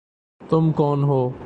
تم کون ہو؟